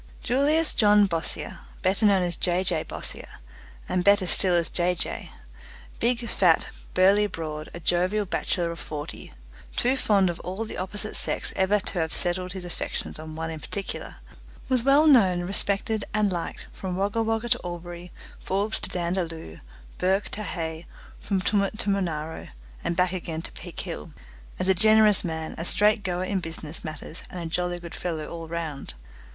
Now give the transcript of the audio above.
Julius John Bossier, better known as J. J. Bossier, and better still as Jay Jay big, fat, burly, broad, a jovial bachelor of forty, too fond of all the opposite sex ever to have settled his affections on one in particular was well known, respected, and liked from Wagga Wagga to Albury, Forbes to Dandaloo, Bourke to Hay, from Tumut to Monaro, and back again to Peak Hill, as a generous man, a straight goer in business matters, and a jolly good fellow all round.